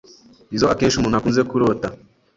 izo akenshi umuntu akunze kurota